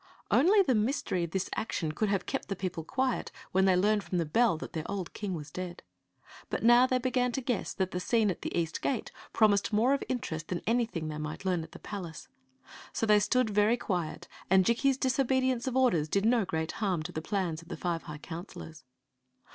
Only the mystery of this action could have kept the people quiet when they learned from the bdl that their old king was dead. But now they began to guess that the scene at the east gate promised more of interest than anything they might learn at the palace; so they stood very quiet, and Jikki's disobedience of orders did no great harm to the plans of the five high counselors.